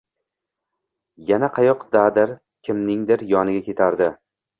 Yana qayoqqadir, kimningdir yoniga ketardi.